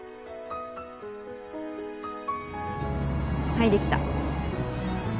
はいできた。